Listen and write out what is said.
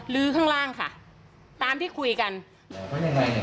ลื้อข้างล่างค่ะตามที่คุยกันบอกว่ายังไง